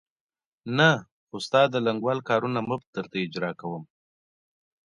نه، خو ستا د لنګول کارونه مفت درته اجرا کوم.